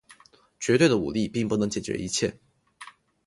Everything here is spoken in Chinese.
绝对的武力并不能解决一切。